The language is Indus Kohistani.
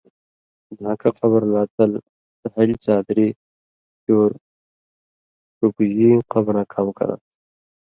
دھان٘کہ قبرہ لا تل دھالیۡ څادری چور ڇُکژی قبراں کام کران٘س